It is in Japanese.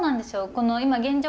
この今現状